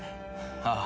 ああ。